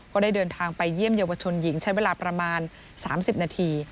ก็ได้เดินทางไปเยี่ยมเยาวชนหญิงใช้เวลาประมาณ๓๐นาที